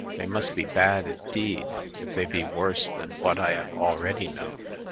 They must be bad indeed, if they be worse than what I have already known.